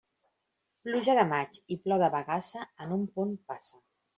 Pluja de maig i plor de bagassa, en un punt passa.